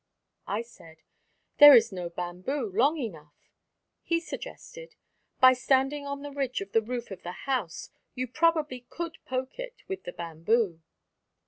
I said, "There is no bamboo long enough." He suggested: "By standing on the ridge of the roof of the house, you probably could poke it with the bamboo."